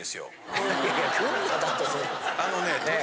あのね。